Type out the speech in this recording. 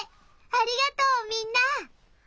ありがとうみんな！